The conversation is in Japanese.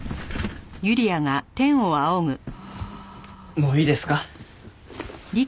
もういいですか？